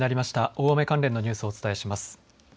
大雨関連のニュースをお伝えします。